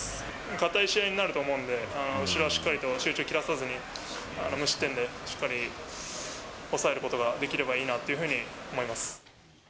堅い試合になると思うんで、集中切らさずに、無失点でしっかり抑えることができればいいなというふうに思います。